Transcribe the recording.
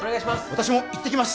私も行ってきます